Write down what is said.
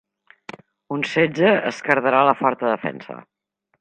Un setge esquerdarà la forta defensa.